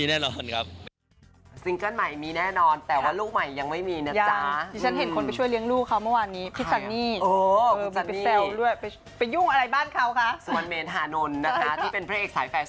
แล้วก็งานเพลงก็ต้องมาเรื่อยซิงเกิลใหม่มีแน่นอนเนาะปีหน้า